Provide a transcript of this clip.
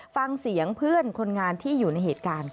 ฟังเสียงเพื่อนคนงานที่อยู่ในเหตุการณ์ค่ะ